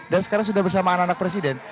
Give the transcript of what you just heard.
dan sekarang sudah bersamaan anak anak presiden